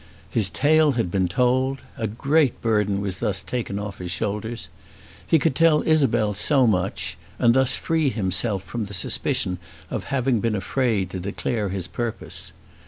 His tale had been told. A great burden was thus taken off his shoulders. He could tell Isabel so much, and thus free himself from the suspicion of having been afraid to declare his purpose.